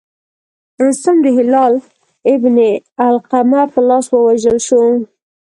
رستم د هلال بن علقمه په لاس ووژل شو.